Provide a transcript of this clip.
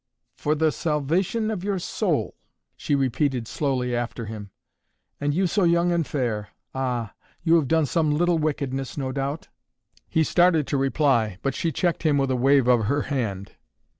"For the salvation of your soul!" she repeated slowly after him. "And you so young and fair. Ah! You have done some little wickedness, no doubt?" He started to reply, but she checked him with a wave of her hand.